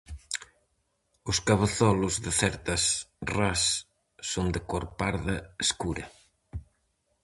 Os cabezolos de certas ras son de cor parda escura.